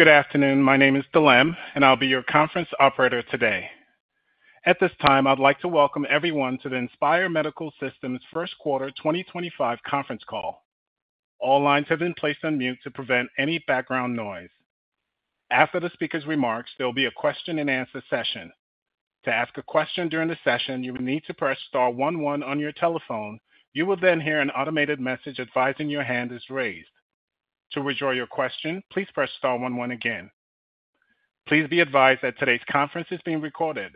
Good afternoon. My name is Dilem, and I'll be your conference operator today. At this time, I'd like to welcome everyone to the Inspire Medical Systems First Quarter 2025 Conference Call. All lines have been placed on mute to prevent any background noise. After the speaker's remarks, there will be a question-and-answer session. To ask a question during the session, you will need to press star one one on your telephone. You will then hear an automated message advising your hand is raised. To withdraw your question, please press star one one again. Please be advised that today's conference is being recorded.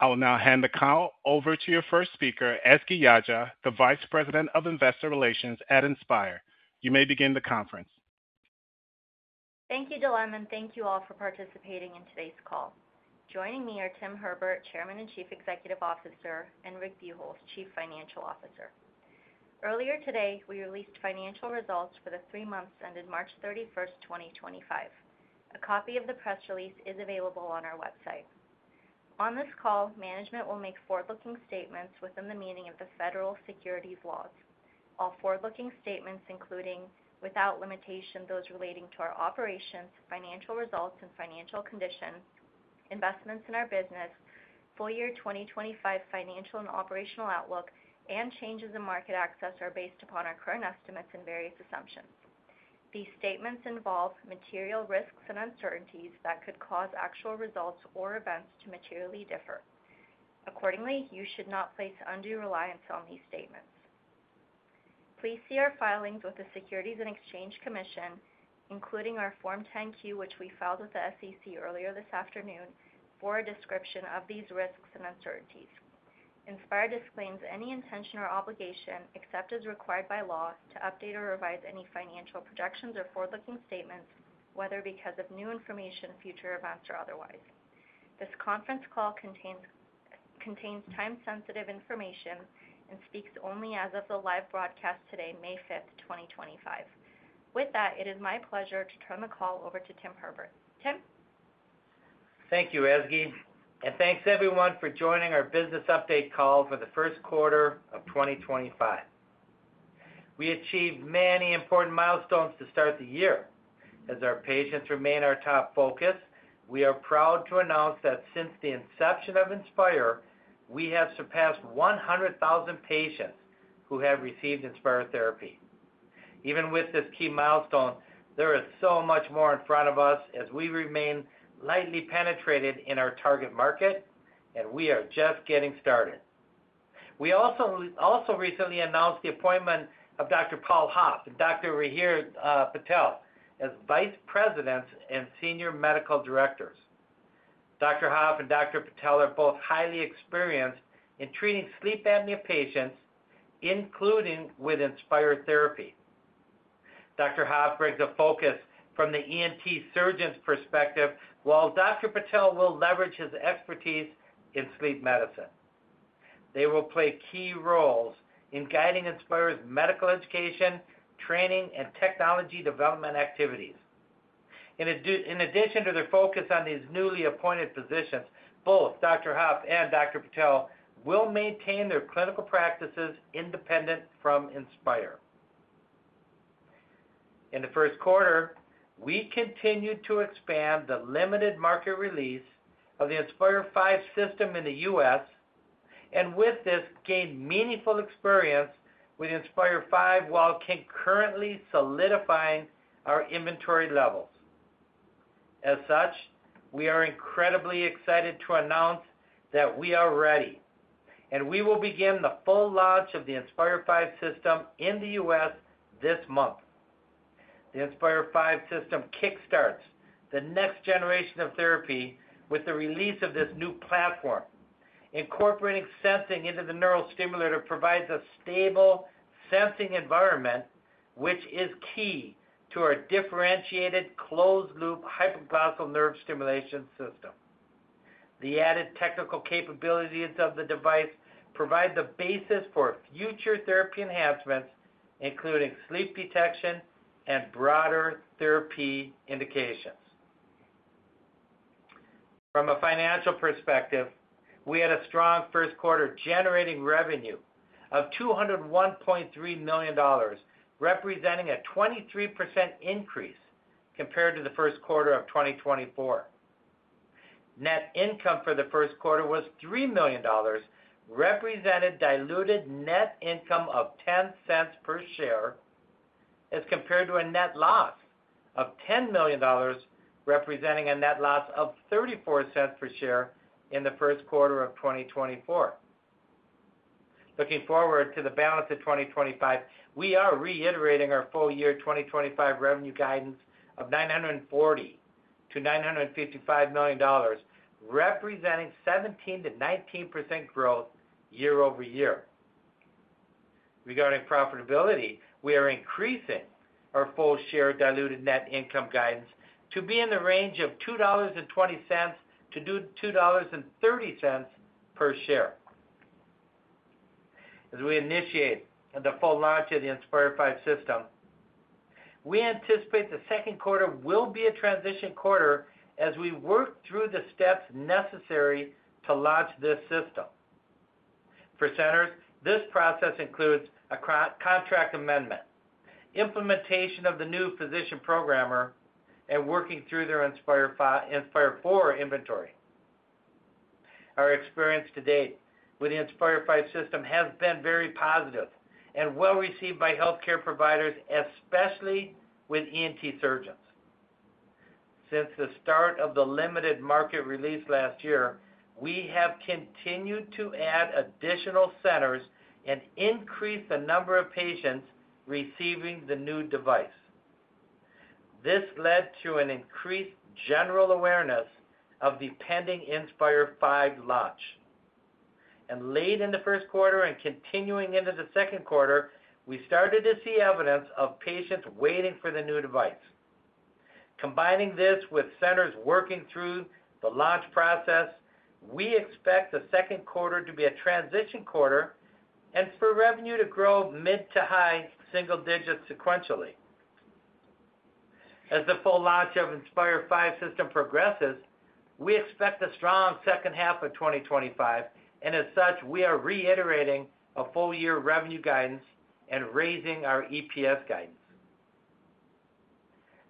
I will now hand the call over to your first speaker, Ezgi Yagci, the Vice President of Investor Relations at Inspire. You may begin the conference. Thank you, Dilem, and thank you all for participating in today's call. Joining me are Tim Herbert, Chairman and Chief Executive Officer, and Rick Buchholz, Chief Financial Officer. Earlier today, we released financial results for the three months ended March 31, 2025. A copy of the press release is available on our website. On this call, management will make forward-looking statements within the meaning of the federal securities laws. All forward-looking statements, including without limitation, those relating to our operations, financial results, and financial condition, investments in our business, full year 2025 financial and operational outlook, and changes in market access are based upon our current estimates and various assumptions. These statements involve material risks and uncertainties that could cause actual results or events to materially differ. Accordingly, you should not place undue reliance on these statements. Please see our filings with the Securities and Exchange Commission, including our Form 10-Q, which we filed with the SEC earlier this afternoon, for a description of these risks and uncertainties. Inspire disclaims any intention or obligation, except as required by law, to update or revise any financial projections or forward-looking statements, whether because of new information, future events, or otherwise. This conference call contains time-sensitive information and speaks only as of the live broadcast today, May 5th, 2025. With that, it is my pleasure to turn the call over to Tim Herbert. Tim? Thank you, Ezgi, and thanks everyone for joining our business update call for the first quarter of 2025. We achieved many important milestones to start the year. As our patients remain our top focus, we are proud to announce that since the inception of Inspire, we have surpassed 100,000 patients who have received Inspire therapy. Even with this key milestone, there is so much more in front of us as we remain lightly penetrated in our target market, and we are just getting started. We also recently announced the appointment of Dr. Paul Hoff and Dr. Rahir Patel as Vice Presidents and Senior Medical Directors. Dr. Hoff and Dr. Patel are both highly experienced in treating sleep apnea patients, including with Inspire therapy. Dr. Hoff brings a focus from the ENT surgeon's perspective, while Dr. Patel will leverage his expertise in sleep medicine. They will play key roles in guiding Inspire's medical education, training, and technology development activities. In addition to their focus on these newly appointed positions, both Dr. Hoff and Dr. Patel will maintain their clinical practices independent from Inspire. In the first quarter, we continue to expand the limited market release of the Inspire 5 system in the U.S. and with this gain meaningful experience with Inspire 5 while concurrently solidifying our inventory levels. As such, we are incredibly excited to announce that we are ready, and we will begin the full launch of the Inspire 5 system in the U.S. this month. The Inspire 5 system kickstarts the next generation of therapy with the release of this new platform. Incorporating sensing into the neurostimulator provides a stable sensing environment, which is key to our differentiated closed-loop hypoglossal nervous stimulation system. The added technical capabilities of the device provide the basis for future therapy enhancements, including sleep detection and broader therapy indications. From a financial perspective, we had a strong first quarter generating revenue of $201.3 million, representing a 23% increase compared to the first quarter of 2024. Net income for the first quarter was $3 million, represented diluted net income of $0.10 per share, as compared to a net loss of $10 million, representing a net loss of $0.34 per share in the first quarter of 2024. Looking forward to the balance of 2025, we are reiterating our full year 2025 revenue guidance of $940-$955 million, representing 17%-19% growth year over year. Regarding profitability, we are increasing our full share diluted net income guidance to be in the range of $2.20-$2.30 per share. As we initiate the full launch of the Inspire 5 system, we anticipate the second quarter will be a transition quarter as we work through the steps necessary to launch this system. For centers, this process includes a contract amendment, implementation of the new physician programmer, and working through their Inspire 4 inventory. Our experience to date with the Inspire 5 system has been very positive and well received by healthcare providers, especially with ENT surgeons. Since the start of the limited market release last year, we have continued to add additional centers and increase the number of patients receiving the new device. This led to an increased general awareness of the pending Inspire 5 launch. Late in the first quarter and continuing into the second quarter, we started to see evidence of patients waiting for the new device. Combining this with centers working through the launch process, we expect the second quarter to be a transition quarter and for revenue to grow mid to high single digits sequentially. As the full launch of Inspire 5 system progresses, we expect a strong second half of 2025, and as such, we are reiterating a full year revenue guidance and raising our EPS guidance.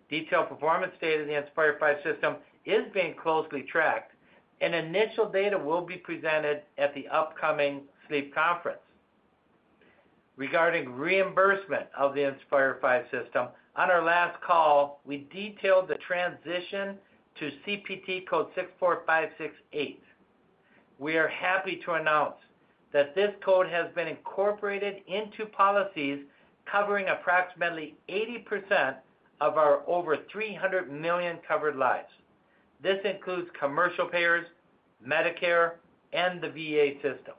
Detailed performance data of the Inspire 5 system is being closely tracked, and initial data will be presented at the upcoming sleep conference. Regarding reimbursement of the Inspire 5 system, on our last call, we detailed the transition to CPT code 64568. We are happy to announce that this code has been incorporated into policies covering approximately 80% of our over 300 million covered lives. This includes commercial payers, Medicare, and the VA system.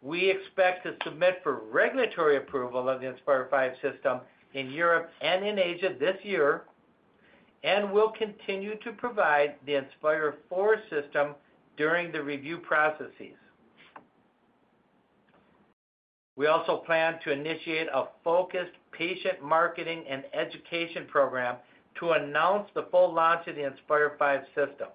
We expect to submit for regulatory approval of the Inspire 5 system in Europe and in Asia this year and will continue to provide the Inspire 4 system during the review processes. We also plan to initiate a focused patient marketing and education program to announce the full launch of the Inspire 5 system.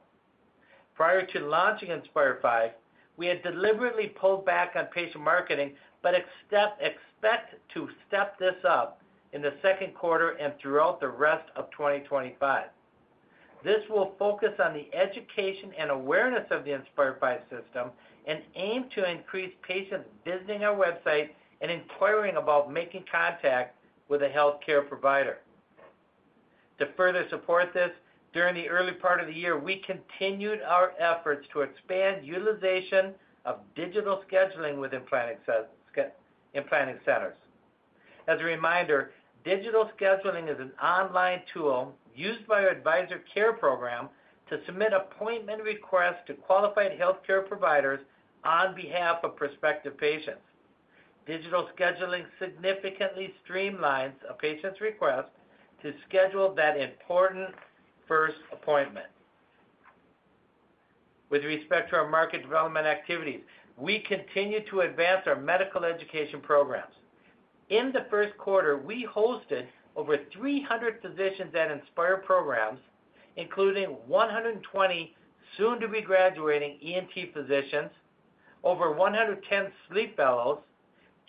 Prior to launching Inspire 5, we had deliberately pulled back on patient marketing, but expect to step this up in the second quarter and throughout the rest of 2025. This will focus on the education and awareness of the Inspire 5 system and aim to increase patients visiting our website and inquiring about making contact with a healthcare provider. To further support this, during the early part of the year, we continued our efforts to expand utilization of digital scheduling with implanting centers. As a reminder, digital scheduling is an online tool used by our Advisor Care Program to submit appointment requests to qualified healthcare providers on behalf of prospective patients. Digital scheduling significantly streamlines a patient's request to schedule that important first appointment. With respect to our market development activities, we continue to advance our medical education programs. In the first quarter, we hosted over 300 physicians at Inspire programs, including 120 soon-to-be graduating ENT physicians, over 110 sleep fellows,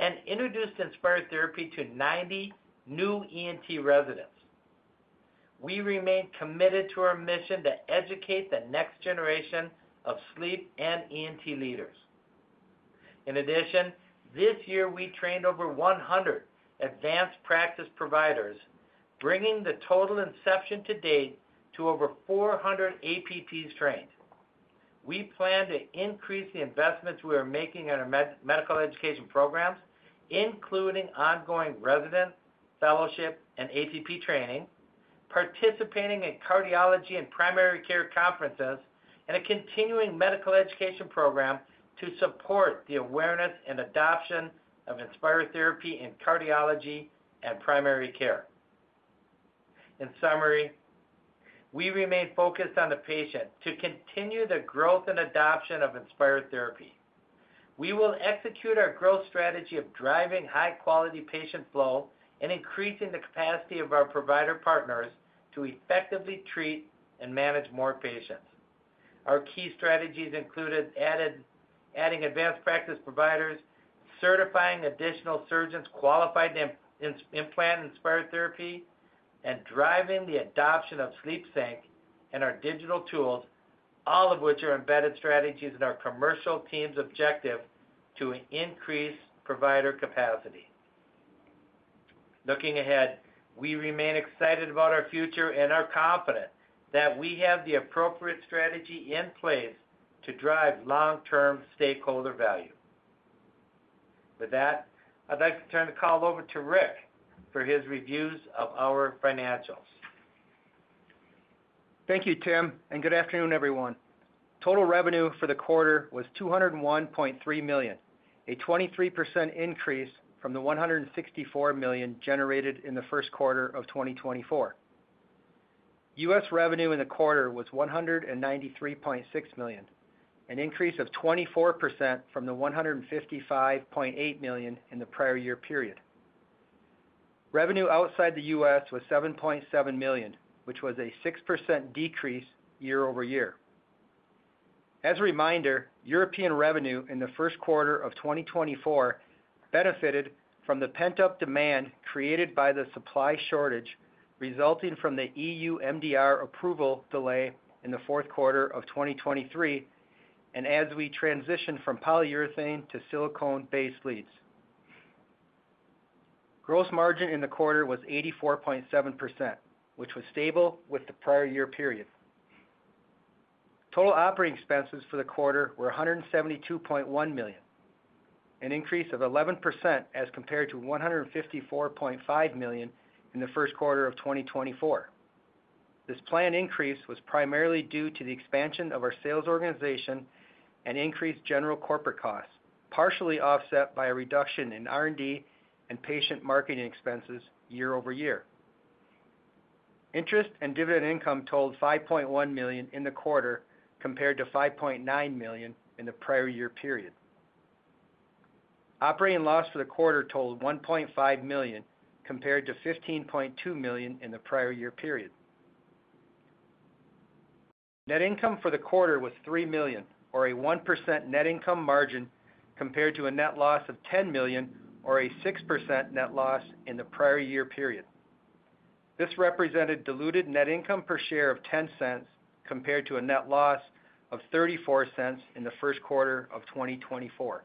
and introduced Inspire therapy to 90 new ENT residents. We remain committed to our mission to educate the next generation of sleep and ENT leaders. In addition, this year, we trained over 100 advanced practice providers, bringing the total inception to date to over 400 APPs trained. We plan to increase the investments we are making on our medical education programs, including ongoing resident fellowship and APP training, participating in cardiology and primary care conferences, and a continuing medical education program to support the awareness and adoption of Inspire therapy in cardiology and primary care. In summary, we remain focused on the patient to continue the growth and adoption of Inspire therapy. We will execute our growth strategy of driving high-quality patient flow and increasing the capacity of our provider partners to effectively treat and manage more patients. Our key strategies included adding advanced practice providers, certifying additional surgeons qualified to implant Inspire therapy, and driving the adoption of SleepSync and our digital tools, all of which are embedded strategies in our commercial team's objective to increase provider capacity. Looking ahead, we remain excited about our future and are confident that we have the appropriate strategy in place to drive long-term stakeholder value. With that, I'd like to turn the call over to Rick for his reviews of our financials. Thank you, Tim, and good afternoon, everyone. Total revenue for the quarter was $201.3 million, a 23% increase from the $164 million generated in the first quarter of 2024. U.S. revenue in the quarter was $193.6 million, an increase of 24% from the $155.8 million in the prior year period. Revenue outside the U.S. was $7.7 million, which was a 6% decrease year over year. As a reminder, European revenue in the first quarter of 2024 benefited from the pent-up demand created by the supply shortage resulting from the EU MDR approval delay in the fourth quarter of 2023, and as we transitioned from polyurethane to silicone-based leads. Gross margin in the quarter was 84.7%, which was stable with the prior year period. Total operating expenses for the quarter were $172.1 million, an increase of 11% as compared to $154.5 million in the first quarter of 2024. This planned increase was primarily due to the expansion of our sales organization and increased general corporate costs, partially offset by a reduction in R&D and patient marketing expenses year over year. Interest and dividend income totaled $5.1 million in the quarter compared to $5.9 million in the prior year period. Operating loss for the quarter totaled $1.5 million compared to $15.2 million in the prior year period. Net income for the quarter was $3 million, or a 1% net income margin compared to a net loss of $10 million, or a 6% net loss in the prior year period. This represented diluted net income per share of $0.10 compared to a net loss of $0.34 in the first quarter of 2024.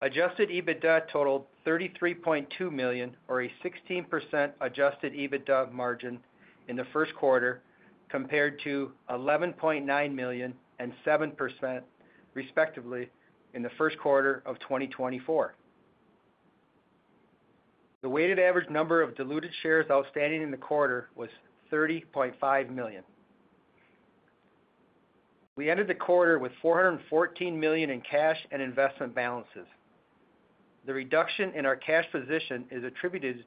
Adjusted EBITDA totaled $33.2 million, or a 16% adjusted EBITDA margin in the first quarter compared to $11.9 million and 7% respectively in the first quarter of 2024. The weighted average number of diluted shares outstanding in the quarter was 30.5 million. We ended the quarter with $414 million in cash and investment balances. The reduction in our cash position is attributed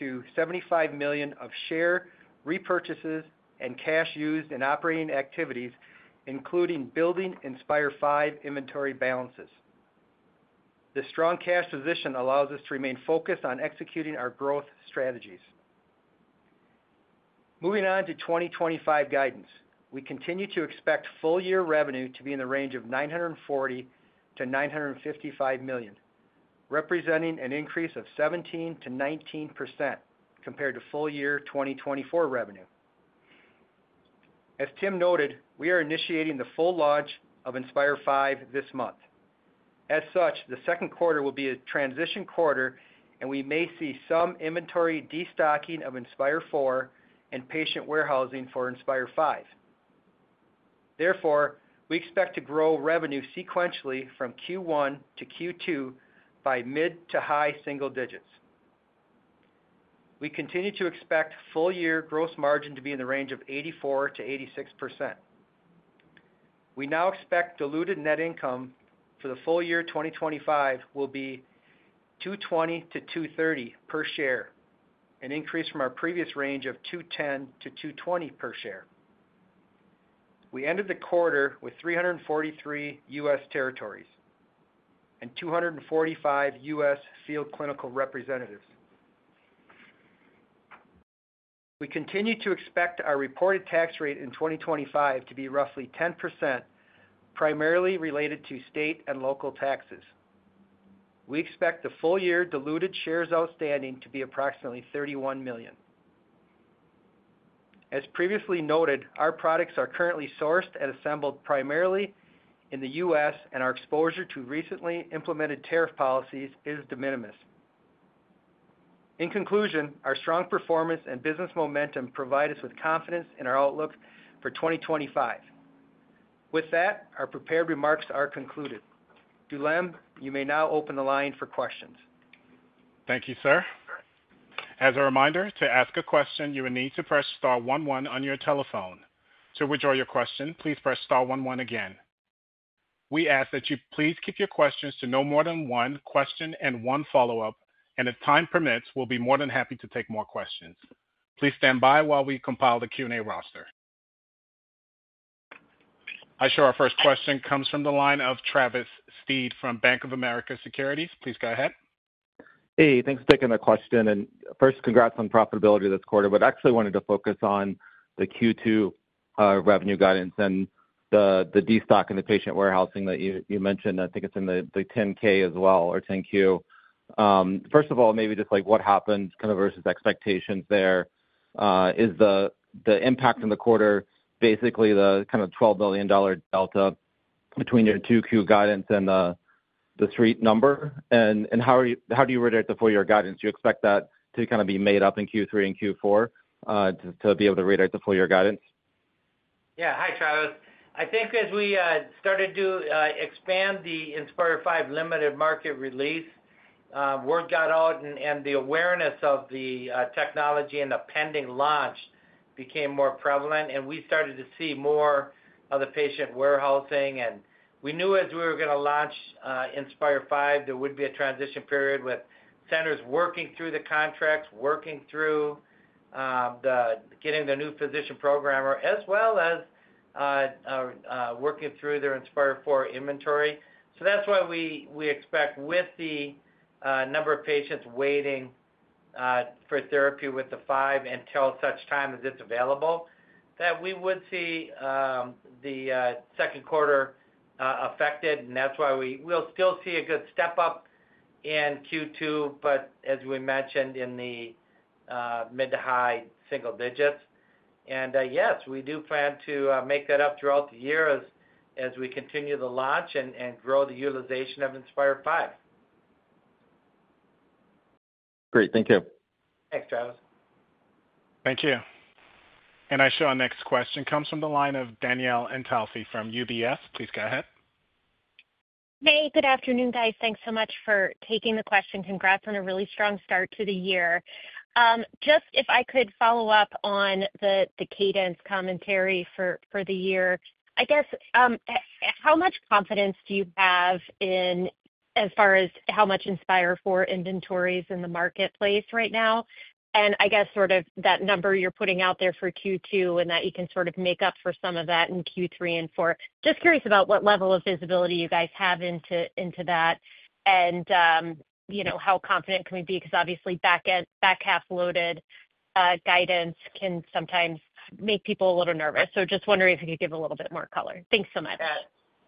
to $75 million of share repurchases and cash used in operating activities, including building Inspire 5 inventory balances. This strong cash position allows us to remain focused on executing our growth strategies. Moving on to 2025 guidance, we continue to expect full year revenue to be in the range of $940-$955 million, representing an increase of 17%-19% compared to full year 2024 revenue. As Tim noted, we are initiating the full launch of Inspire 5 this month. As such, the second quarter will be a transition quarter, and we may see some inventory destocking of Inspire 4 and patient warehousing for Inspire 5. Therefore, we expect to grow revenue sequentially from Q1 to Q2 by mid to high single digits. We continue to expect full year gross margin to be in the range of 84%-86%. We now expect diluted net income for the full year 2025 will be $220-$230 per share, an increase from our previous range of $210-$220 per share. We ended the quarter with 343 U.S. territories and 245 U.S. field clinical representatives. We continue to expect our reported tax rate in 2025 to be roughly 10%, primarily related to state and local taxes. We expect the full year diluted shares outstanding to be approximately 31 million. As previously noted, our products are currently sourced and assembled primarily in the U.S., and our exposure to recently implemented tariff policies is de minimis. In conclusion, our strong performance and business momentum provide us with confidence in our outlook for 2025. With that, our prepared remarks are concluded. Dilem, you may now open the line for questions. Thank you, sir. As a reminder, to ask a question, you will need to press star one one on your telephone. To withdraw your question, please press star one one again. We ask that you please keep your questions to no more than one question and one follow-up, and if time permits, we will be more than happy to take more questions. Please stand by while we compile the Q&A roster. I show our first question comes from the line of Travis Steed from Bank of America Securities. Please go ahead. Hey, thanks for taking the question. First, congrats on profitability this quarter, but actually wanted to focus on the Q2 revenue guidance and the destock and the patient warehousing that you mentioned. I think it's in the 10-K as well or 10-Q. First of all, maybe just like what happened kind of versus expectations there. Is the impact in the quarter basically the kind of $12 million delta between your 2Q guidance and the street number? How do you rate the full year guidance? Do you expect that to kind of be made up in Q3 and Q4 to be able to rate the full year guidance? Yeah, hi, Travis. I think as we started to expand the Inspire 5 limited market release, word got out, and the awareness of the technology and the pending launch became more prevalent, and we started to see more of the patient warehousing. We knew as we were going to launch Inspire 5, there would be a transition period with centers working through the contracts, working through getting the new physician programmer, as well as working through their Inspire 4 inventory. That is why we expect with the number of patients waiting for therapy with the 5 until such time as it's available, that we would see the second quarter affected. That is why we'll still see a good step up in Q2, but as we mentioned, in the mid to high single digits. Yes, we do plan to make that up throughout the year as we continue the launch and grow the utilization of Inspire 5. Great, thank you. Thanks, Travis. Thank you. I show our next question comes from the line of Danielle Antalffy from UBS. Please go ahead. Hey, good afternoon, guys. Thanks so much for taking the question. Congrats on a really strong start to the year. Just if I could follow up on the cadence commentary for the year, I guess how much confidence do you have in as far as how much Inspire 4 inventory is in the marketplace right now? I guess sort of that number you're putting out there for Q2 and that you can sort of make up for some of that in Q3 and Q4. Just curious about what level of visibility you guys have into that and how confident can we be? Because obviously back half loaded guidance can sometimes make people a little nervous. Just wondering if you could give a little bit more color. Thanks so much.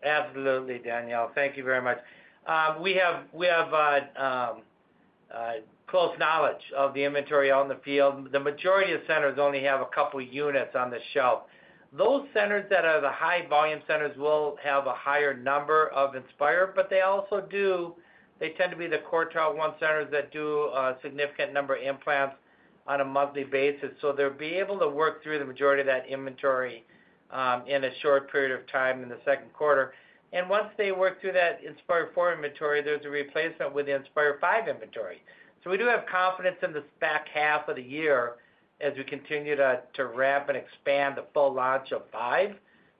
Absolutely, Danielle. Thank you very much. We have close knowledge of the inventory on the field. The majority of centers only have a couple of units on the shelf. Those centers that are the high volume centers will have a higher number of Inspire, but they also do, they tend to be the quartile one centers that do a significant number of implants on a monthly basis. They will be able to work through the majority of that inventory in a short period of time in the second quarter. Once they work through that Inspire 4 inventory, there is a replacement with the Inspire 5 inventory. We do have confidence in the back half of the year as we continue to wrap and expand the full launch of 5,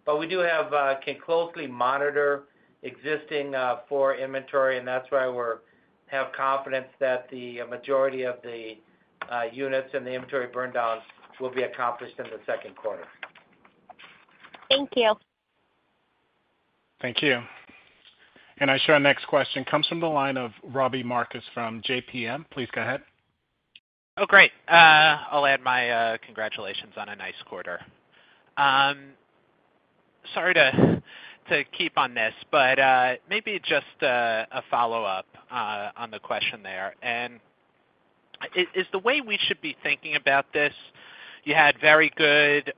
but we do have to closely monitor existing 4 inventory, and that's why we have confidence that the majority of the units and the inventory burndown will be accomplished in the second quarter. Thank you. Thank you. I show our next question comes from the line of Robbie Marcus from JPMorgan. Please go ahead. Oh, great. I'll add my congratulations on a nice quarter. Sorry to keep on this, but maybe just a follow-up on the question there. Is the way we should be thinking about this, you had very good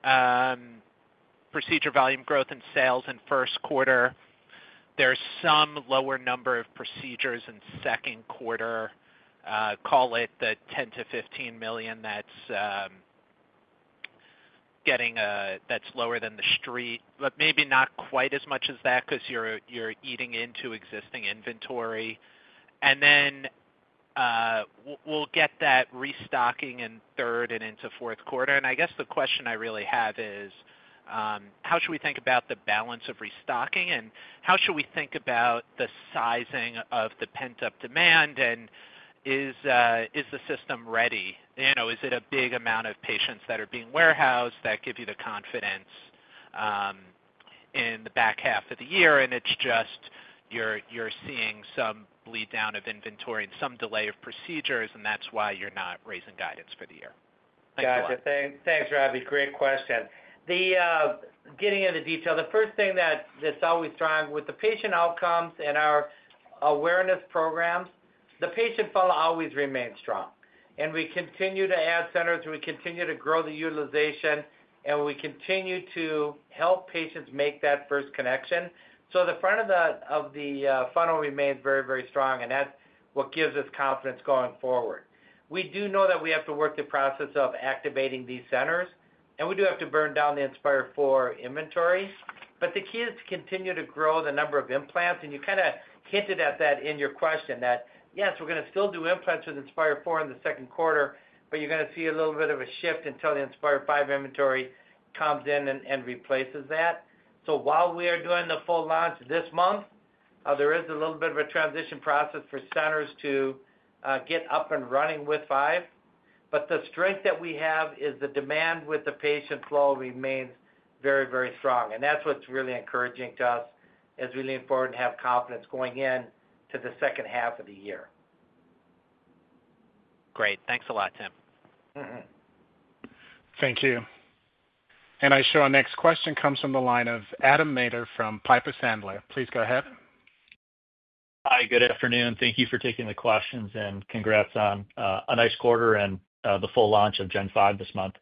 procedure volume growth in sales in first quarter. There's some lower number of procedures in second quarter, call it the $10 million-$15 million that's lower than the street, but maybe not quite as much as that because you're eating into existing inventory. We'll get that restocking in third and into fourth quarter. I guess the question I really have is, how should we think about the balance of restocking and how should we think about the sizing of the pent-up demand and is the system ready? Is it a big amount of patients that are being warehoused that give you the confidence in the back half of the year and it's just you're seeing some bleed down of inventory and some delay of procedures and that's why you're not raising guidance for the year? Gotcha. Thanks, Robbie. Great question. Getting into detail, the first thing that's always strong is the patient outcomes and our awareness programs. The patient funnel always remains strong. We continue to add centers, we continue to grow the utilization, and we continue to help patients make that first connection. The front of the funnel remains very, very strong, and that's what gives us confidence going forward. We do know that we have to work the process of activating these centers, and we do have to burn down the Inspire 4 inventory, but the key is to continue to grow the number of implants. You kind of hinted at that in your question that, yes, we're going to still do implants with Inspire 4 in the second quarter, but you're going to see a little bit of a shift until the Inspire 5 inventory comes in and replaces that. While we are doing the full launch this month, there is a little bit of a transition process for centers to get up and running with 5, but the strength that we have is the demand with the patient flow remains very, very strong. That's what's really encouraging to us as we lean forward and have confidence going into the second half of the year. Great. Thanks a lot, Tim. Thank you. I show our next question comes from the line of Adam Maeder from Piper Sandler. Please go ahead. Hi, good afternoon. Thank you for taking the questions and congrats on a nice quarter and the full launch of Gen 5 this month.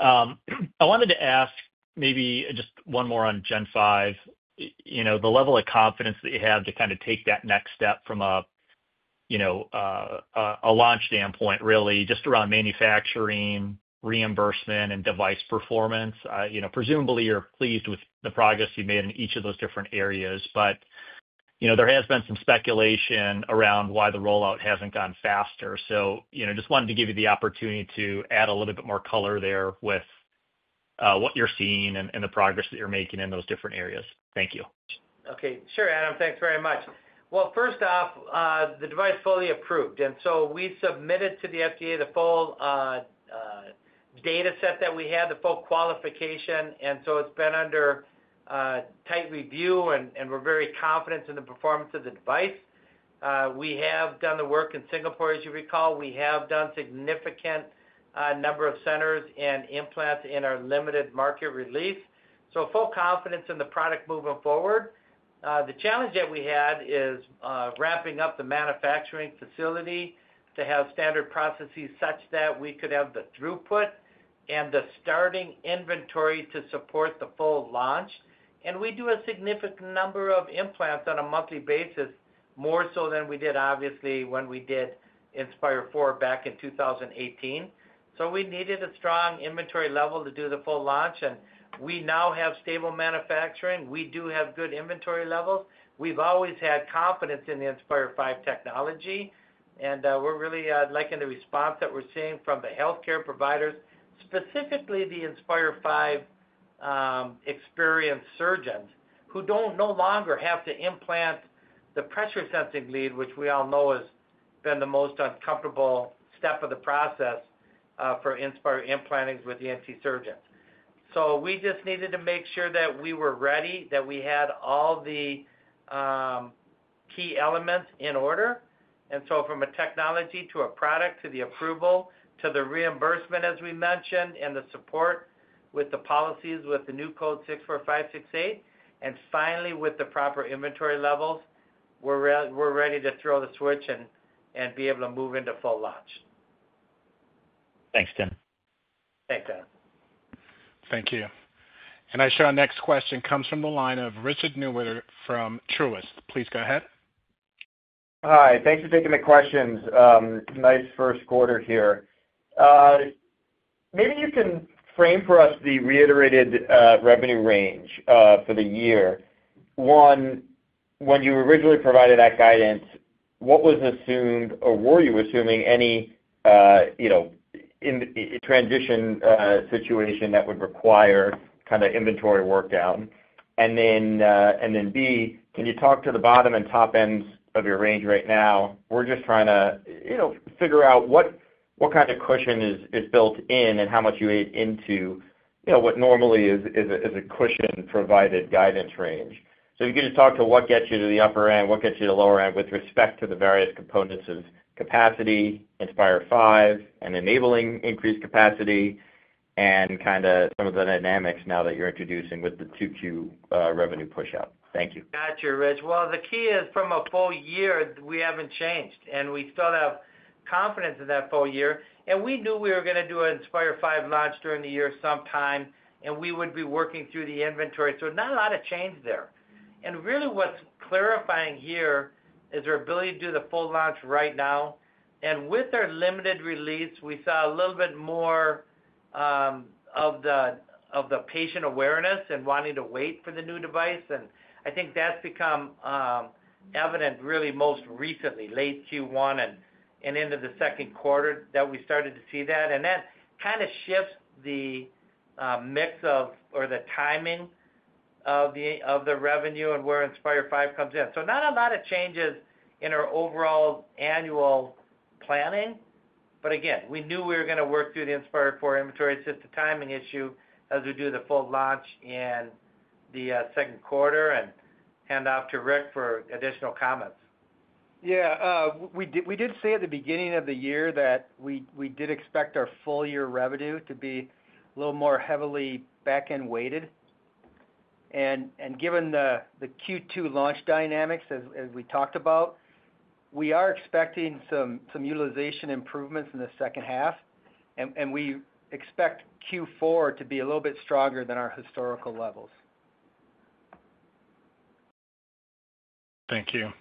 I wanted to ask maybe just one more on Gen 5, the level of confidence that you have to kind of take that next step from a launch standpoint, really, just around manufacturing, reimbursement, and device performance. Presumably, you're pleased with the progress you've made in each of those different areas, but there has been some speculation around why the rollout hasn't gone faster. Just wanted to give you the opportunity to add a little bit more color there with what you're seeing and the progress that you're making in those different areas. Thank you. Okay. Sure, Adam. Thanks very much. First off, the device is fully approved. We submitted to the FDA the full data set that we had, the full qualification, and it has been under tight review, and we're very confident in the performance of the device. We have done the work in Singapore, as you recall. We have done a significant number of centers and implants in our limited market release. Full confidence in the product moving forward. The challenge that we had is ramping up the manufacturing facility to have standard processes such that we could have the throughput and the starting inventory to support the full launch. We do a significant number of implants on a monthly basis, more so than we did, obviously, when we did Inspire 4 back in 2018. We needed a strong inventory level to do the full launch, and we now have stable manufacturing. We do have good inventory levels. We've always had confidence in the Inspire 5 technology, and we're really liking the response that we're seeing from the healthcare providers, specifically the Inspire 5 experienced surgeons who no longer have to implant the pressure sensing lead, which we all know has been the most uncomfortable step of the process for Inspire implanting with the ENT surgeons. We just needed to make sure that we were ready, that we had all the key elements in order. From a technology to a product to the approval to the reimbursement, as we mentioned, and the support with the policies with the new code 64568, and finally with the proper inventory levels, we're ready to throw the switch and be able to move into full launch. Thanks, Tim. Thanks, Adam. Thank you. I show our next question comes from the line of Richard Newitter from Truist. Please go ahead. Hi. Thanks for taking the questions. Nice first quarter here. Maybe you can frame for us the reiterated revenue range for the year. One, when you originally provided that guidance, what was assumed or were you assuming any transition situation that would require kind of inventory workdown? Then B, can you talk to the bottom and top ends of your range right now? We're just trying to figure out what kind of cushion is built in and how much you ate into what normally is a cushion-provided guidance range. If you could just talk to what gets you to the upper end, what gets you to the lower end with respect to the various components of capacity, Inspire 5, and enabling increased capacity, and kind of some of the dynamics now that you're introducing with the 2Q revenue push-out. Thank you. Gotcha, Rich. The key is from a full year, we have not changed. We still have confidence in that full year. We knew we were going to do an Inspire 5 launch during the year sometime, and we would be working through the inventory. Not a lot of change there. What is clarifying here is our ability to do the full launch right now. With our limited release, we saw a little bit more of the patient awareness and wanting to wait for the new device. I think that has become evident really most recently, late Q1 and into the second quarter that we started to see that. That kind of shifts the mix of or the timing of the revenue and where Inspire 5 comes in. Not a lot of changes in our overall annual planning. Again, we knew we were going to work through the Inspire 4 inventory. It's just a timing issue as we do the full launch in the second quarter. Hand off to Rick for additional comments. Yeah. We did say at the beginning of the year that we did expect our full year revenue to be a little more heavily back-end weighted. Given the Q2 launch dynamics, as we talked about, we are expecting some utilization improvements in the second half. We expect Q4 to be a little bit stronger than our historical levels. Thank you.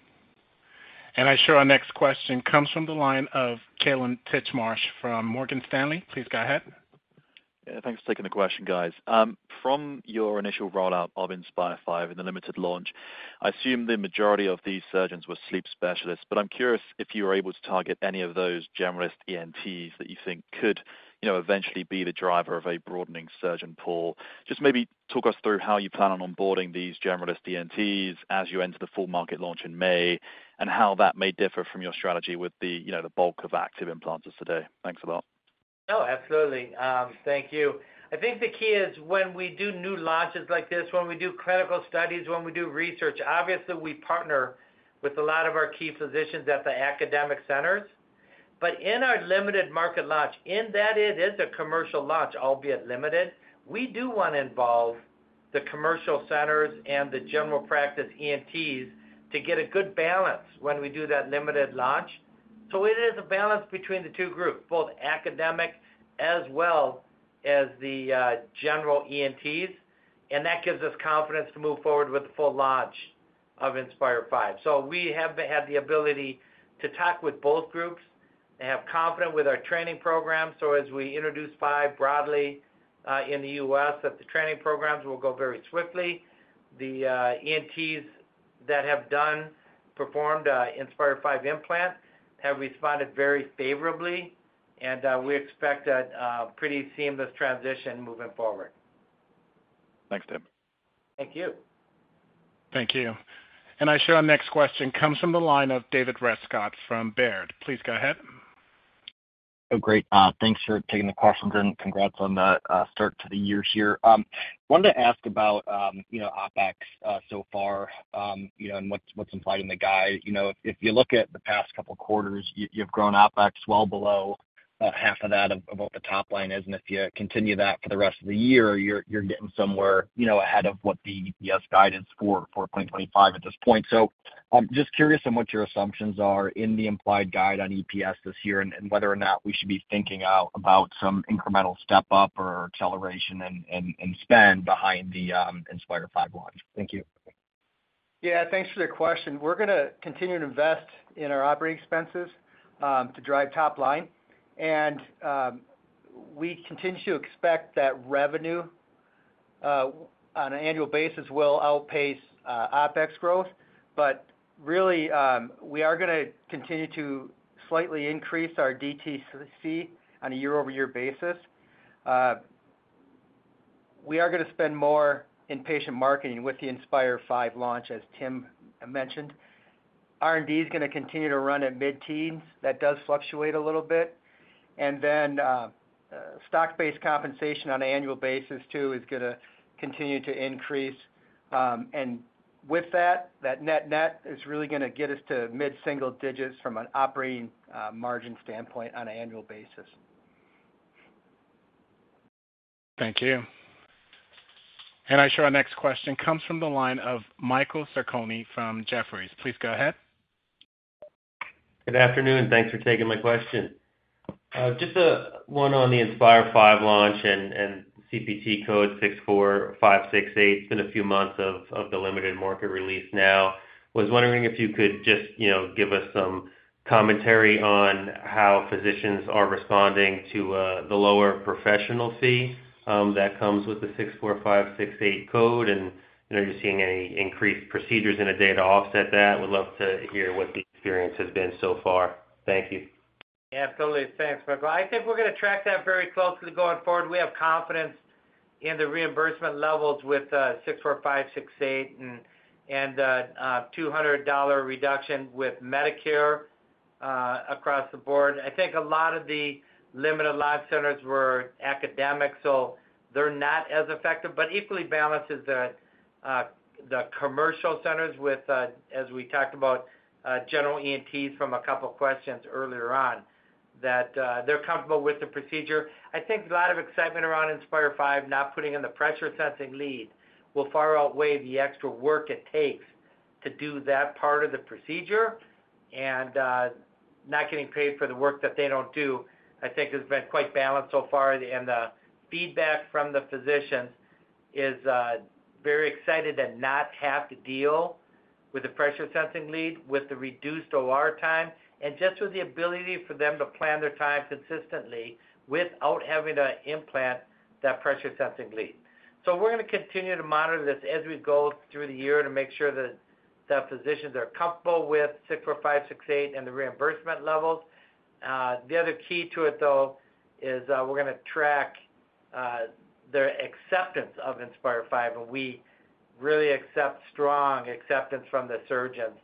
I show our next question comes from the line of Kallum Titchmarsh from Morgan Stanley. Please go ahead. Yeah. Thanks for taking the question, guys. From your initial rollout of Inspire 5 in the limited launch, I assume the majority of these surgeons were sleep specialists, but I'm curious if you were able to target any of those generalist ENTs that you think could eventually be the driver of a broadening surgeon pool. Just maybe talk us through how you plan on onboarding these generalist ENTs as you enter the full market launch in May and how that may differ from your strategy with the bulk of active implants of today. Thanks a lot. Oh, absolutely. Thank you. I think the key is when we do new launches like this, when we do clinical studies, when we do research, obviously we partner with a lot of our key physicians at the academic centers. In our limited market launch, in that it is a commercial launch, albeit limited, we do want to involve the commercial centers and the general practice ENTs to get a good balance when we do that limited launch. It is a balance between the two groups, both academic as well as the general ENTs, and that gives us confidence to move forward with the full launch of Inspire 5. We have had the ability to talk with both groups and have confidence with our training programs. As we introduce 5 broadly in the U.S., the training programs will go very swiftly. The ENTs that have performed Inspire 5 implant have responded very favorably, and we expect a pretty seamless transition moving forward. Thanks, Tim. Thank you. Thank you. I show our next question comes from the line of David Rescott from Baird. Please go ahead. Oh, great. Thanks for taking the question, Tim. Congrats on the start to the year here. I wanted to ask about OpEx so far and what's implied in the guide. If you look at the past couple of quarters, you've grown OpEx well below half of that of what the top line is. If you continue that for the rest of the year, you're getting somewhere ahead of what the EPS guide is for 2025 at this point. I'm just curious on what your assumptions are in the implied guide on EPS this year and whether or not we should be thinking about some incremental step-up or acceleration in spend behind the Inspire 5 launch. Thank you. Yeah. Thanks for the question. We're going to continue to invest in our operating expenses to drive top line. We continue to expect that revenue on an annual basis will outpace OpEx growth. We are going to continue to slightly increase our DTC on a year-over-year basis. We are going to spend more in patient marketing with the Inspire 5 launch, as Tim mentioned. R&D is going to continue to run at mid-teens. That does fluctuate a little bit. Stock-based compensation on an annual basis, too, is going to continue to increase. With that, that net-net is really going to get us to mid-single digits from an operating margin standpoint on an annual basis. Thank you. I show our next question comes from the line of Michael Sarcone from Jefferies. Please go ahead. Good afternoon. Thanks for taking my question. Just one on the Inspire 5 launch and CPT code 64568. It's been a few months of the limited market release now. I was wondering if you could just give us some commentary on how physicians are responding to the lower professional fee that comes with the 64568 code and if you're seeing any increased procedures in a day to offset that. Would love to hear what the experience has been so far. Thank you. Yeah. Absolutely. Thanks, Michael. I think we're going to track that very closely going forward. We have confidence in the reimbursement levels with 64568 and a $200 reduction with Medicare across the board. I think a lot of the limited live centers were academic, so they're not as effective. It equally balances the commercial centers with, as we talked about, general ENTs from a couple of questions earlier on, that they're comfortable with the procedure. I think a lot of excitement around Inspire 5 not putting in the pressure sensing lead will far outweigh the extra work it takes to do that part of the procedure. Not getting paid for the work that they don't do, I think, has been quite balanced so far. The feedback from the physicians is very excited to not have to deal with the pressure sensing lead, with the reduced OR time, and just with the ability for them to plan their time consistently without having to implant that pressure sensing lead. We are going to continue to monitor this as we go through the year to make sure that the physicians are comfortable with 64568 and the reimbursement levels. The other key to it, though, is we are going to track their acceptance of Inspire 5. We really expect strong acceptance from the surgeons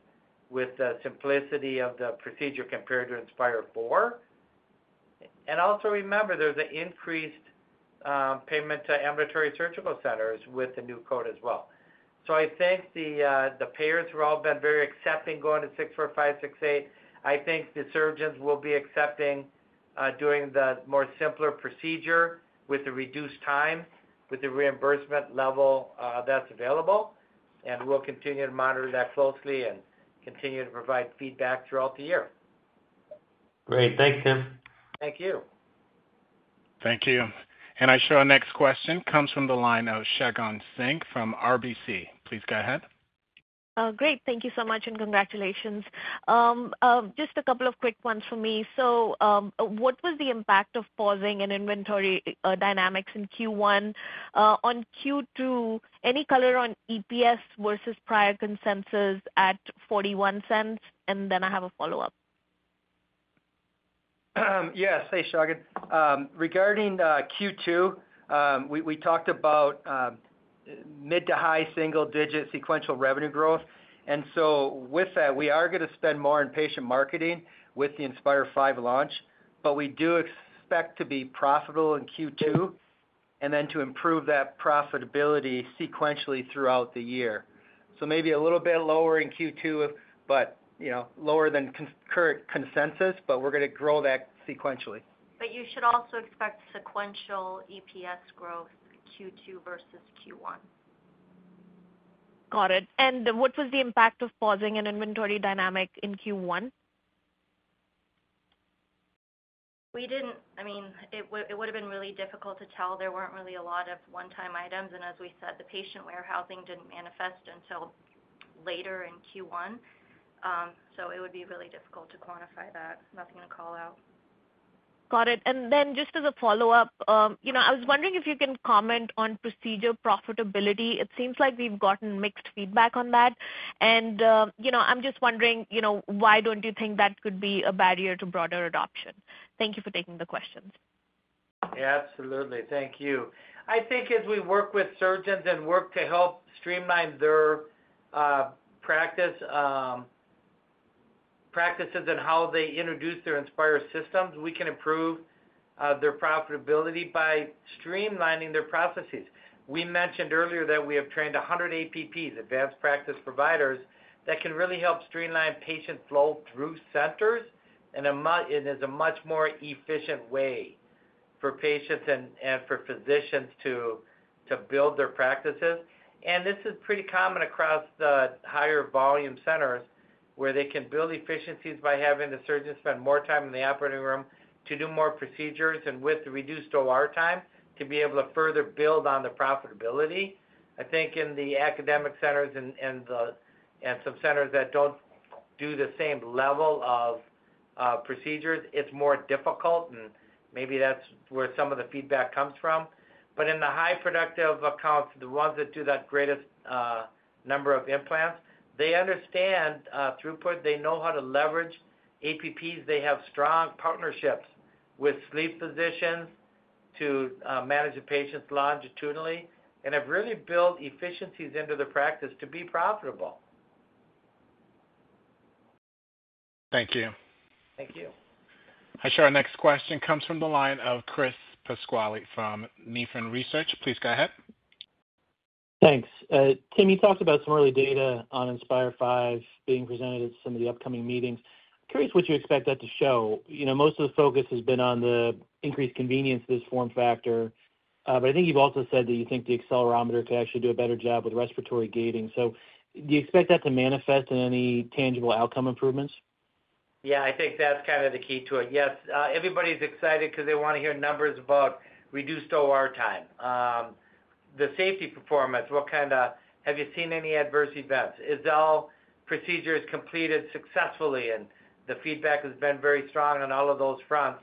with the simplicity of the procedure compared to Inspire 4. Also remember, there is an increased payment to ambulatory surgical centers with the new code as well. I think the payers have all been very accepting going to 64568. I think the surgeons will be accepting doing the more simpler procedure with the reduced time with the reimbursement level that's available. We'll continue to monitor that closely and continue to provide feedback throughout the year. Great. Thanks, Tim. Thank you. Thank you. I show our next question comes from the line of Shagun Singh from RBC. Please go ahead. Great. Thank you so much and congratulations. Just a couple of quick ones from me. What was the impact of pausing and inventory dynamics in Q1? On Q2, any color on EPS versus prior consensus at $0.41? I have a follow-up. Yeah. Thanks, Shagun. Regarding Q2, we talked about mid to high single-digit sequential revenue growth. With that, we are going to spend more in patient marketing with the Inspire 5 launch, but we do expect to be profitable in Q2 and then to improve that profitability sequentially throughout the year. Maybe a little bit lower in Q2, lower than current consensus, but we're going to grow that sequentially. You should also expect sequential EPS growth Q2 versus Q1. Got it. What was the impact of pausing and inventory dynamic in Q1? We didn't. I mean, it would have been really difficult to tell. There weren't really a lot of one-time items. As we said, the patient warehousing didn't manifest until later in Q1. It would be really difficult to quantify that. Nothing to call out. Got it. Just as a follow-up, I was wondering if you can comment on procedure profitability. It seems like we've gotten mixed feedback on that. I am just wondering, why do you not think that could be a barrier to broader adoption? Thank you for taking the questions. Yeah. Absolutely. Thank you. I think as we work with surgeons and work to help streamline their practices and how they introduce their Inspire systems, we can improve their profitability by streamlining their processes. We mentioned earlier that we have trained 100 APPs, advanced practice providers, that can really help streamline patient flow through centers in a much more efficient way for patients and for physicians to build their practices. This is pretty common across the higher volume centers where they can build efficiencies by having the surgeons spend more time in the operating room to do more procedures and with reduced OR time to be able to further build on the profitability. I think in the academic centers and some centers that do not do the same level of procedures, it is more difficult. Maybe that is where some of the feedback comes from. In the high productive accounts, the ones that do the greatest number of implants, they understand throughput. They know how to leverage APPs. They have strong partnerships with sleep physicians to manage the patients longitudinally and have really built efficiencies into their practice to be profitable. Thank you. Thank you. I show our next question comes from the line of Chris Pasquale from Nephron Research. Please go ahead. Thanks. Tim, you talked about some early data on Inspire 5 being presented at some of the upcoming meetings. I'm curious what you expect that to show. Most of the focus has been on the increased convenience of this form factor. I think you've also said that you think the accelerometer could actually do a better job with respiratory gating. Do you expect that to manifest in any tangible outcome improvements? Yeah. I think that's kind of the key to it. Yes. Everybody's excited because they want to hear numbers about reduced OR time. The safety performance, what kind of have you seen any adverse events? Is all procedures completed successfully? The feedback has been very strong on all of those fronts.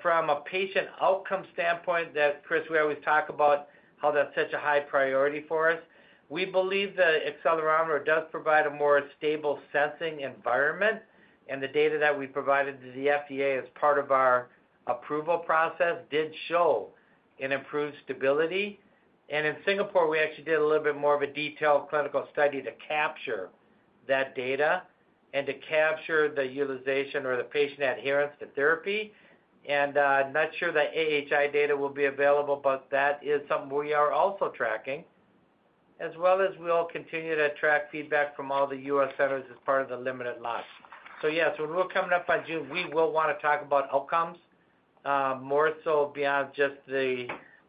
From a patient outcome standpoint, Chris, we always talk about how that's such a high priority for us. We believe the accelerometer does provide a more stable sensing environment. The data that we provided to the FDA as part of our approval process did show an improved stability. In Singapore, we actually did a little bit more of a detailed clinical study to capture that data and to capture the utilization or the patient adherence to therapy. I'm not sure the AHI data will be available, but that is something we are also tracking, as well as we'll continue to track feedback from all the U.S. centers as part of the limited launch. Yes, when we're coming up on June, we will want to talk about outcomes more so beyond just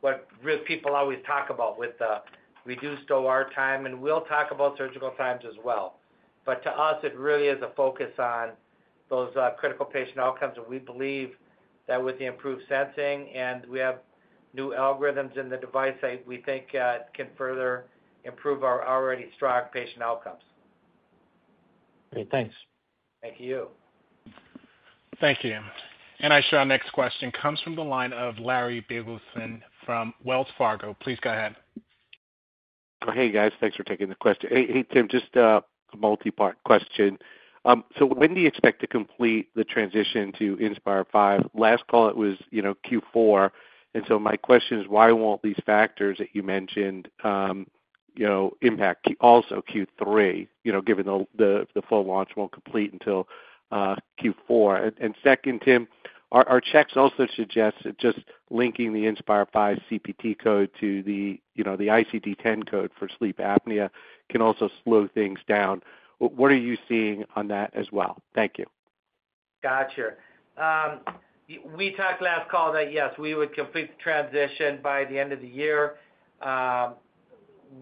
what people always talk about with the reduced OR time. We'll talk about surgical times as well. To us, it really is a focus on those critical patient outcomes. We believe that with the improved sensing and we have new algorithms in the device, we think it can further improve our already strong patient outcomes. Great. Thanks. Thank you. Thank you. I show our next question comes from the line of Larry Biegelsen from Wells Fargo. Please go ahead. Hey, guys. Thanks for taking the question. Hey, Tim, just a multi-part question. When do you expect to complete the transition to Inspire 5? Last call, it was Q4. My question is, why won't these factors that you mentioned impact also Q3, given the full launch won't complete until Q4? Second, Tim, our checks also suggest that just linking the Inspire 5 CPT code to the ICD-10 code for sleep apnea can also slow things down. What are you seeing on that as well? Thank you. Gotcha. We talked last call that, yes, we would complete the transition by the end of the year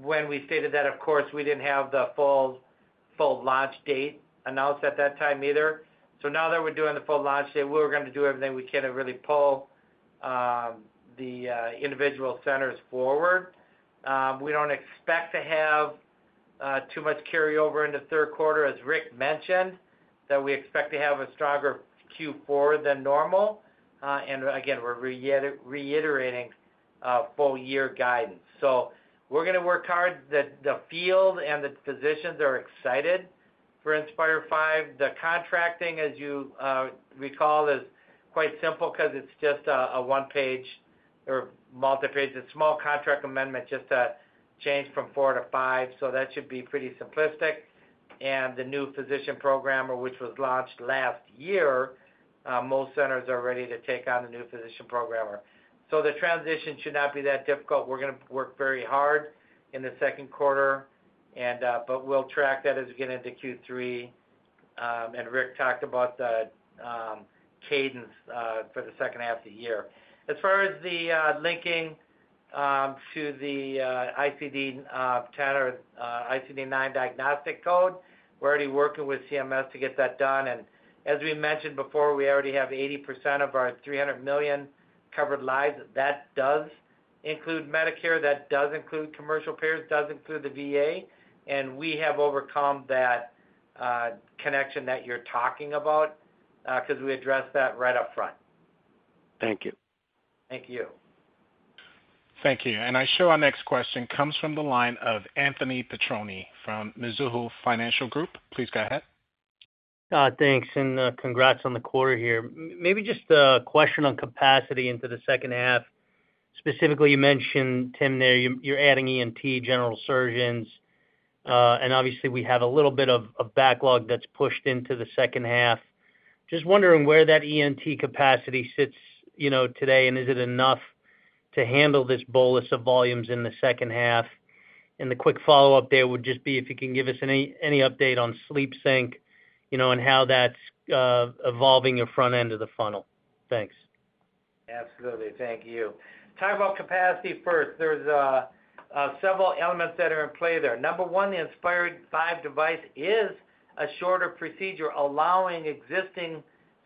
when we stated that, of course, we did not have the full launch date announced at that time either. Now that we are doing the full launch date, we are going to do everything we can to really pull the individual centers forward. We do not expect to have too much carryover in the third quarter, as Rick mentioned, that we expect to have a stronger Q4 than normal. Again, we are reiterating full-year guidance. We are going to work hard. The field and the physicians are excited for Inspire 5. The contracting, as you recall, is quite simple because it is just a one-page or multi-page. It is a small contract amendment just to change from four to five. That should be pretty simplistic. The new physician programmer, which was launched last year, most centers are ready to take on the new physician programmer. The transition should not be that difficult. We're going to work very hard in the second quarter. We'll track that as we get into Q3. Rick talked about the cadence for the second half of the year. As far as the linking to the ICD-9 diagnostic code, we're already working with CMS to get that done. As we mentioned before, we already have 80% of our 300 million covered lives. That does include Medicare. That does include commercial payers. It does include the VA. We have overcome that connection that you're talking about because we addressed that right up front. Thank you. Thank you. Thank you. I show our next question comes from the line of Anthony Petrone from Mizuho Financial Group. Please go ahead. Thanks. Congrats on the quarter here. Maybe just a question on capacity into the second half. Specifically, you mentioned, Tim, you are adding ENT, general surgeons. Obviously, we have a little bit of backlog that's pushed into the second half. Just wondering where that ENT capacity sits today, and is it enough to handle this bolus of volumes in the second half? The quick follow-up there would just be if you can give us any update on SleepSync and how that's evolving your front end of the funnel. Thanks. Absolutely. Thank you. Talking about capacity first, there are several elements that are in play there. Number one, the Inspire 5 device is a shorter procedure, allowing existing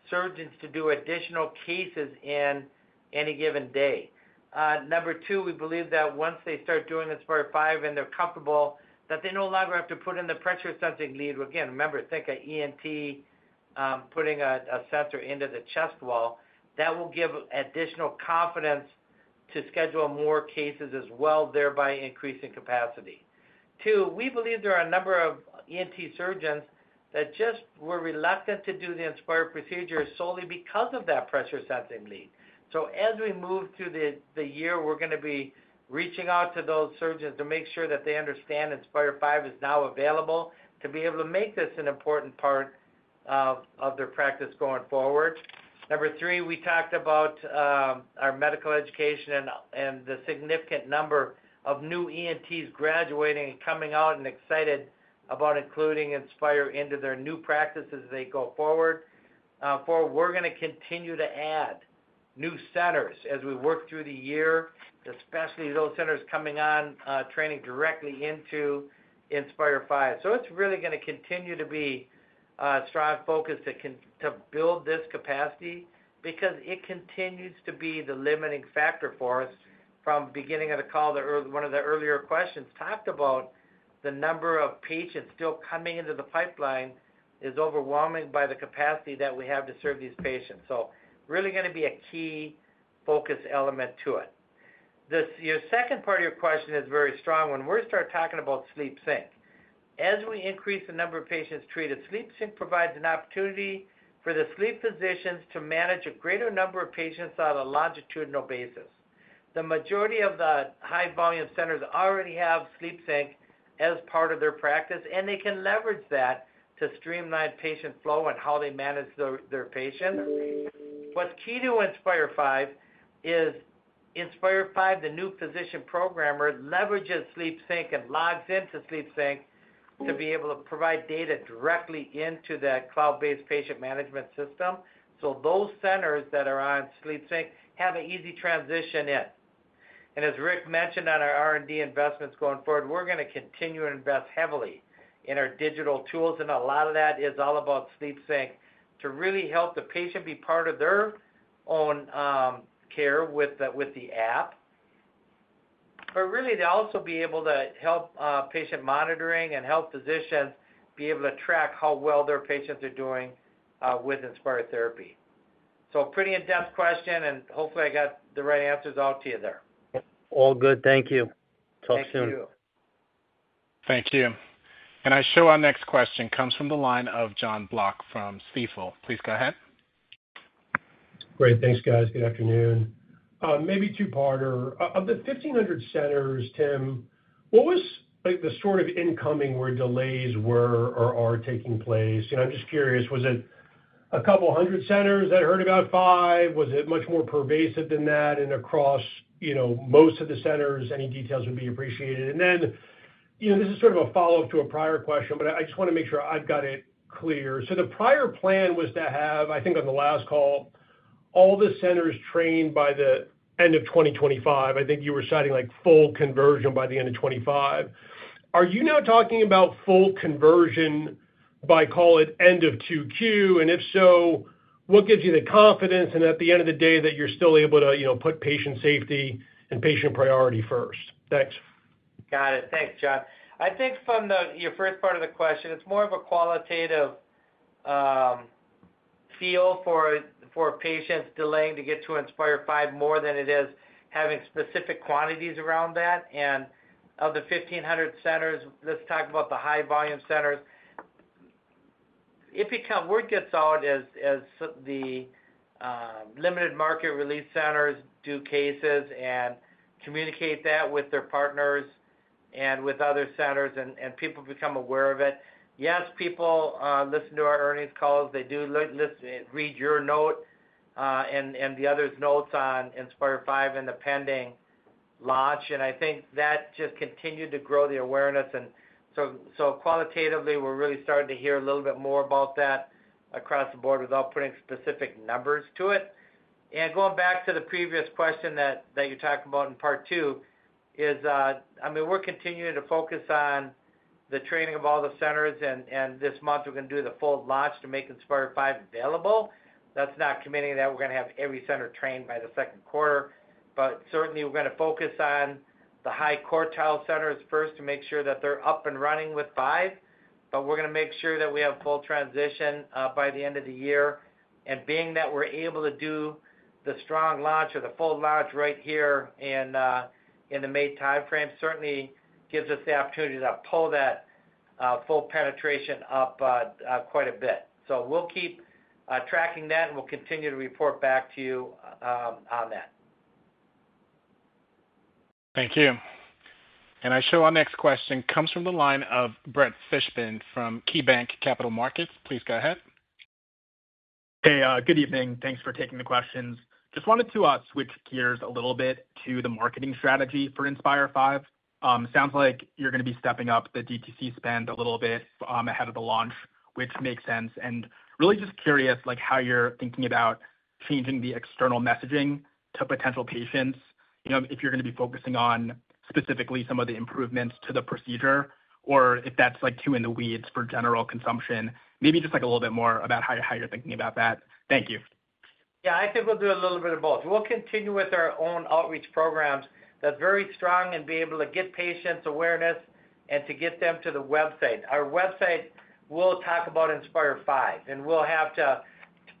surgeons to do additional cases in any given day. Number two, we believe that once they start doing Inspire 5 and they are comfortable, that they no longer have to put in the pressure sensing lead. Again, remember, think of ENT putting a sensor into the chest wall. That will give additional confidence to schedule more cases as well, thereby increasing capacity. Two, we believe there are a number of ENT surgeons that just were reluctant to do the Inspire procedure solely because of that pressure sensing lead. As we move through the year, we're going to be reaching out to those surgeons to make sure that they understand Inspire 5 is now available to be able to make this an important part of their practice going forward. Number three, we talked about our medical education and the significant number of new ENTs graduating and coming out and excited about including Inspire into their new practices as they go forward. Four, we're going to continue to add new centers as we work through the year, especially those centers coming on training directly into Inspire 5. It's really going to continue to be a strong focus to build this capacity because it continues to be the limiting factor for us. From beginning of the call, one of the earlier questions talked about the number of patients still coming into the pipeline is overwhelming by the capacity that we have to serve these patients. Really going to be a key focus element to it. Your second part of your question is very strong. When we start talking about SleepSync, as we increase the number of patients treated, SleepSync provides an opportunity for the sleep physicians to manage a greater number of patients on a longitudinal basis. The majority of the high-volume centers already have SleepSync as part of their practice, and they can leverage that to streamline patient flow and how they manage their patients. What's key to Inspire 5 is Inspire 5, the new physician programmer, leverages SleepSync and logs into SleepSync to be able to provide data directly into that cloud-based patient management system. Those centers that are on SleepSync have an easy transition in. As Rick mentioned on our R&D investments going forward, we're going to continue to invest heavily in our digital tools. A lot of that is all about SleepSync to really help the patient be part of their own care with the app, but really to also be able to help patient monitoring and help physicians be able to track how well their patients are doing with Inspire therapy. Pretty in-depth question, and hopefully, I got the right answers out to you there. All good. Thank you. Talk soon. Thank you. Thank you. I show our next question comes from the line of John Block from Stifel. Please go ahead. Great. Thanks, guys. Good afternoon. Maybe two-part. Of the 1,500 centers, Tim, what was the sort of incoming where delays were or are taking place? I'm just curious, was it a couple hundred centers that heard about five? Was it much more pervasive than that and across most of the centers? Any details would be appreciated. This is sort of a follow-up to a prior question, but I just want to make sure I've got it clear. The prior plan was to have, I think on the last call, all the centers trained by the end of 2025. I think you were citing full conversion by the end of 2025. Are you now talking about full conversion by, call it, end of QQ? If so, what gives you the confidence? At the end of the day, that you're still able to put patient safety and patient priority first? Thanks. Got it. Thanks, John. I think from your first part of the question, it's more of a qualitative feel for patients delaying to get to Inspire 5 more than it is having specific quantities around that. Of the 1,500 centers, let's talk about the high-volume centers. If word gets out as the limited market release centers do cases and communicate that with their partners and with other centers and people become aware of it, yes, people listen to our earnings calls. They do read your note and the others' notes on Inspire 5 and the pending launch. I think that just continued to grow the awareness. Qualitatively, we're really starting to hear a little bit more about that across the board without putting specific numbers to it. Going back to the previous question that you talked about in part two is, I mean, we're continuing to focus on the training of all the centers. This month, we're going to do the full launch to make Inspire 5 available. That's not committing that we're going to have every center trained by the second quarter. Certainly, we're going to focus on the high quartile centers first to make sure that they're up and running with five. We're going to make sure that we have full transition by the end of the year. Being that we're able to do the strong launch or the full launch right here in the May timeframe certainly gives us the opportunity to pull that full penetration up quite a bit. We'll keep tracking that, and we'll continue to report back to you on that. Thank you. I show our next question comes from the line of Brett Fishbin from KeyBanc Capital Markets. Please go ahead. Hey, good evening. Thanks for taking the questions. Just wanted to switch gears a little bit to the marketing strategy for Inspire 5. Sounds like you're going to be stepping up the DTC spend a little bit ahead of the launch, which makes sense. Really just curious how you're thinking about changing the external messaging to potential patients if you're going to be focusing on specifically some of the improvements to the procedure or if that's too in the weeds for general consumption. Maybe just a little bit more about how you're thinking about that. Thank you. Yeah, I think we'll do a little bit of both. We'll continue with our own outreach programs that's very strong and be able to get patients' awareness and to get them to the website. Our website will talk about Inspire 5, and we'll have to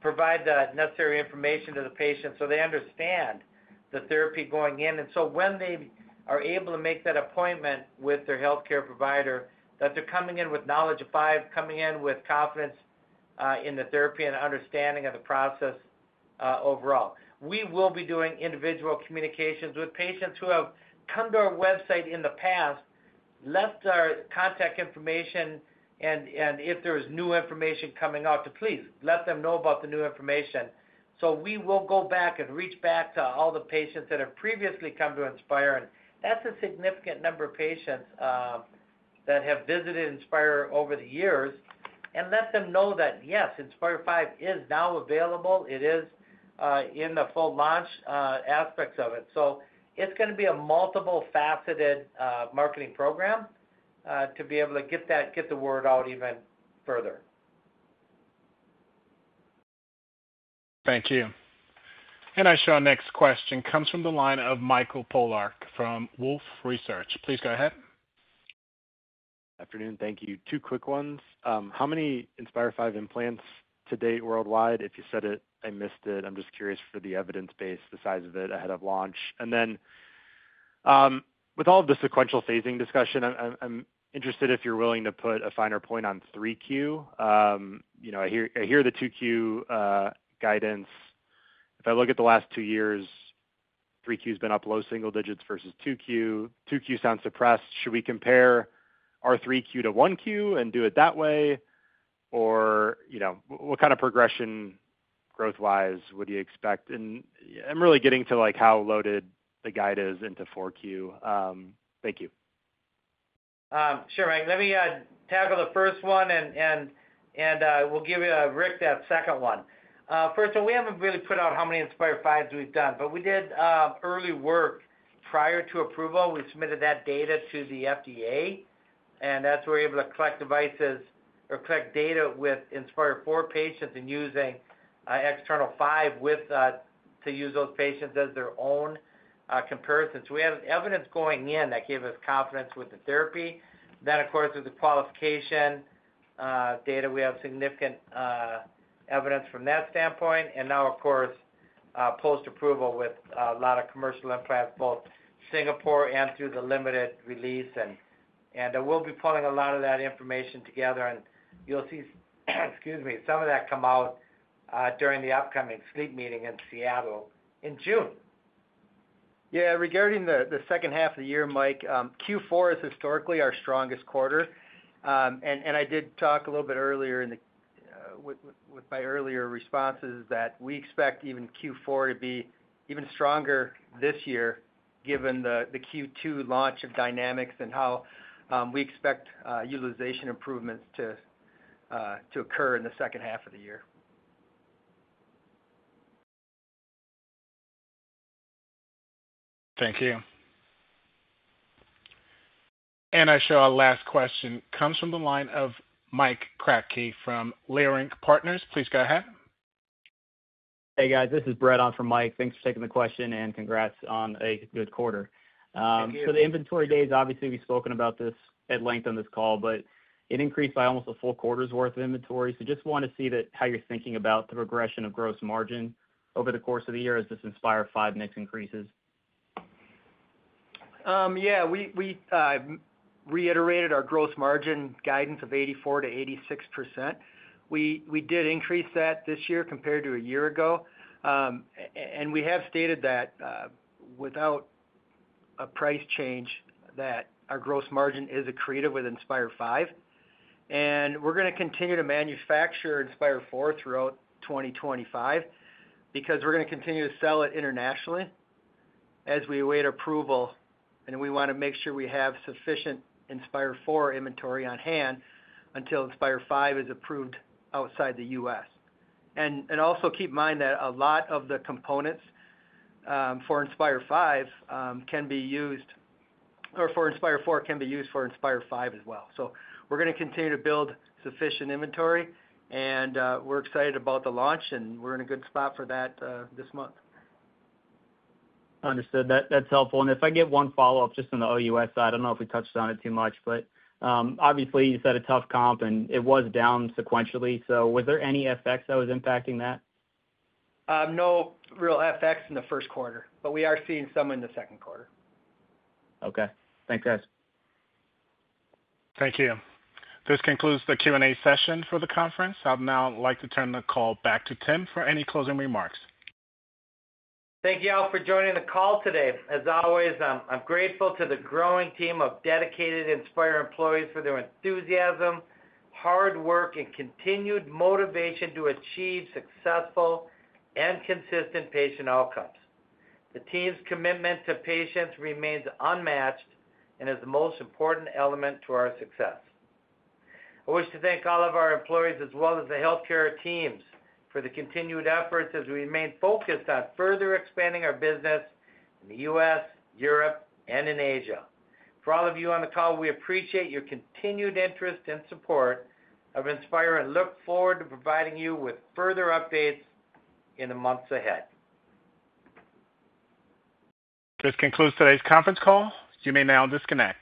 provide the necessary information to the patients so they understand the therapy going in. When they are able to make that appointment with their healthcare provider, they're coming in with knowledge of 5, coming in with confidence in the therapy and understanding of the process overall. We will be doing individual communications with patients who have come to our website in the past, left our contact information, and if there is new information coming out, to please let them know about the new information. We will go back and reach back to all the patients that have previously come to Inspire. That is a significant number of patients that have visited Inspire over the years. Let them know that, yes, Inspire 5 is now available. It is in the full launch aspects of it. It is going to be a multiple-faceted marketing program to be able to get the word out even further. Thank you. I show our next question comes from the line of Michael Polark from Wolfe Research. Please go ahead. Afternoon. Thank you. Two quick ones. How many Inspire 5 implants to date worldwide? If you said it, I missed it. I'm just curious for the evidence base, the size of it ahead of launch. With all of the sequential phasing discussion, I'm interested if you're willing to put a finer point on 3Q. I hear the 2Q guidance. If I look at the last two years, 3Q has been up low single digits versus 2Q. 2Q sounds suppressed. Should we compare our 3Q to 1Q and do it that way? What kind of progression growth-wise would you expect? I'm really getting to how loaded the guide is into 4Q. Thank you. Sure. Let me tackle the first one, and we'll give Rick that second one. First one, we haven't really put out how many Inspire 5s we've done. We did early work prior to approval. We submitted that data to the FDA, and that's where we're able to collect devices or collect data with Inspire 4 patients and using external 5 to use those patients as their own comparisons. We have evidence going in that gave us confidence with the therapy. With the qualification data, we have significant evidence from that standpoint. Now, post-approval with a lot of commercial implants, both Singapore and through the limited release. We'll be pulling a lot of that information together, and you'll see some of that come out during the upcoming sleep meeting in Seattle in June. Yeah. Regarding the second half of the year, Mike, Q4 is historically our strongest quarter. I did talk a little bit earlier with my earlier responses that we expect even Q4 to be even stronger this year given the Q2 launch of Dynamics and how we expect utilization improvements to occur in the second half of the year. Thank you. I show our last question comes from the line of Mike Kratky from Leerink Partners. Please go ahead. Hey, guys. This is Brett on from Mike. Thanks for taking the question, and congrats on a good quarter. The inventory days, obviously, we've spoken about this at length on this call, but it increased by almost a full quarter's worth of inventory. I just wanted to see how you're thinking about the progression of gross margin over the course of the year as this Inspire 5 mix increases. Yeah. We reiterated our gross margin guidance of 84-86%. We did increase that this year compared to a year ago. We have stated that without a price change, our gross margin is accretive with Inspire 5. We are going to continue to manufacture Inspire 4 throughout 2025 because we are going to continue to sell it internationally as we await approval. We want to make sure we have sufficient Inspire 4 inventory on hand until Inspire 5 is approved outside the U.S. Also keep in mind that a lot of the components for Inspire 4 can be used for Inspire 5 as well. We are going to continue to build sufficient inventory, and we are excited about the launch, and we are in a good spot for that this month. Understood. That's helpful. If I get one follow-up just on the OUS side, I don't know if we touched on it too much, but obviously, you said a tough comp, and it was down sequentially. Was there any FX that was impacting that? No real FX in the first quarter, but we are seeing some in the second quarter. Okay. Thanks, guys. Thank you. This concludes the Q&A session for the conference. I'd now like to turn the call back to Tim for any closing remarks. Thank you all for joining the call today. As always, I'm grateful to the growing team of dedicated Inspire employees for their enthusiasm, hard work, and continued motivation to achieve successful and consistent patient outcomes. The team's commitment to patients remains unmatched and is the most important element to our success. I wish to thank all of our employees as well as the healthcare teams for the continued efforts as we remain focused on further expanding our business in the U.S., Europe, and in Asia. For all of you on the call, we appreciate your continued interest and support of Inspire and look forward to providing you with further updates in the months ahead. This concludes today's conference call. You may now disconnect.